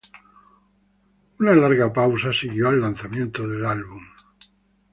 Una larga pausa siguió al lanzamiento del álbum.